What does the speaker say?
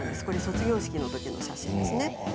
これ卒業式のときの写真ですね。